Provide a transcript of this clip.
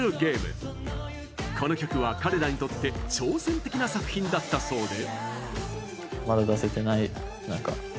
この曲は彼らにとって挑戦的な作品だったそうで。